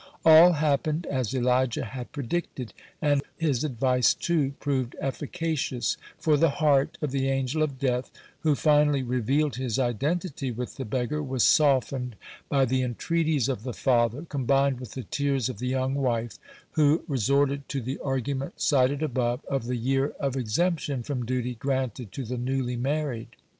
All happened as Elijah had predicted, and his advice, too, proved efficacious, for the heart of the Angel of Death, who finally revealed his identity with the beggar, was softened by the entreaties of the father, combined with the tears of the young wife, who resorted to the argument cited above, of the year of exemption from duty granted to the newly married.